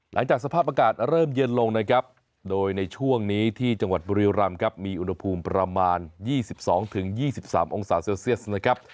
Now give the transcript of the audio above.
หลังจากสภาพอากาศเริ่มเย็นลงนะครับโดยในช่วงนี้ที่จังหวัดบุรีรำครับมีอุณหภูมิประมาณ๒๒๒๓องศาเซลเซียสนะครับ